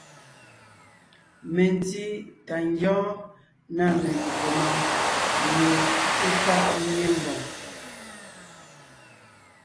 Mentí tà ńgyɔ́ɔn na membyè mɔɔn mie é kwaʼ ńnyé ḿboŋ.